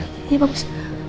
iya pak bus